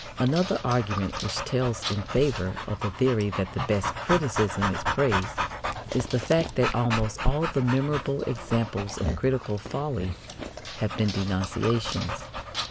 Another argument which tells in favour of the theory that the best criticism is praise is the fact that almost all the memorable examples of critical folly have been denunciations.